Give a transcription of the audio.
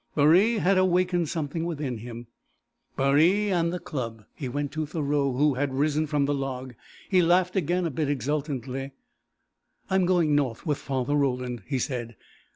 Baree had awakened something within him Baree and the club. He went to Thoreau, who had risen from the log. He laughed again, a bit exultantly. "I am going north with Father Roland," he said.